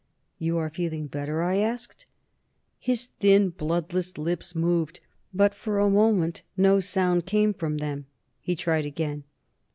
"You are feeling better?" I asked. His thin, bloodless lips moved, but for a moment no sound came from them. He tried again.